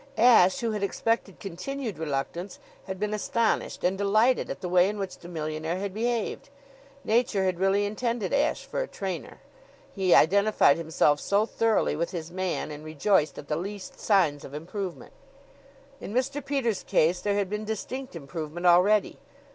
Ashe, who had expected continued reluctance, had been astonished and delighted at the way in which the millionaire had behaved. Nature had really intended Ashe for a trainer; he identified himself so thoroughly with his man and rejoiced at the least signs of improvement. In Mr. Peters' case there had been distinct improvement already.